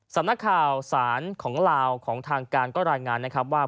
สำนักข่าวสารของลาวของทางการก็รายงานนะครับว่า